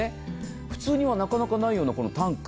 普通にはなかなかないようなタンク。